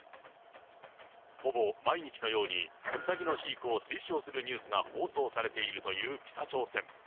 ほぼ毎日のようにうさぎの飼育を推奨するニュースが放送されているという北朝鮮。